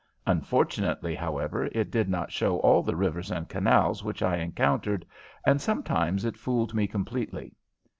Unfortunately, however, it did not show all the rivers and canals which I encountered, and sometimes it fooled me completely.